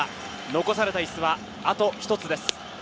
残されたイスはあと１つです。